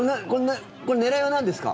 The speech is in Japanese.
これ、狙いはなんですか？